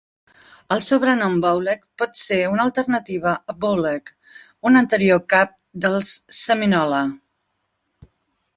El sobrenom "Bowlegs" pot ser una alternativa a "Bolek", un anterior cap dels seminola.